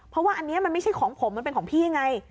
เพราะว่าอันนี้มันไม่ใช่ของผมมันเป็นของพี่ไง